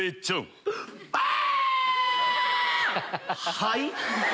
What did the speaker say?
はい。